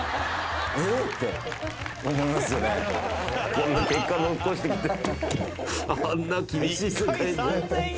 こんな結果残してきて。